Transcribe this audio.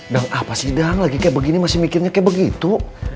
dan apa sih dan lagi kayak begini masih mikirnya kayak begitu